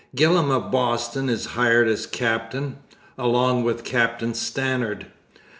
Gillam of Boston is hired as captain, along with a Captain Stannard.